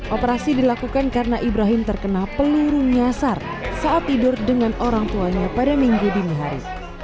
operasi dilakukan karena ibrahim terkena peluru nyasar saat tidur dengan orang tuanya pada minggu dini hari